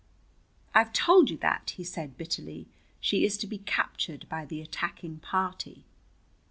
"I've told you that," he said bitterly. "She is to be captured by the attacking party."